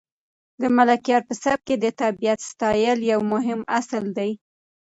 د ملکیار په سبک کې د طبیعت ستایل یو مهم اصل دی.